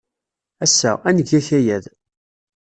Ass-a, ad neg akayad.